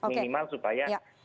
minimal supaya walaupun tidak perfect